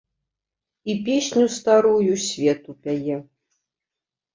І песню старую свету пяе.